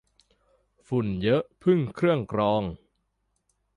ฝุ่นเยอะพึ่งเครื่องกรอง